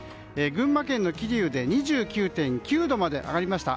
群馬県の桐生で２９．９度まで上がりました。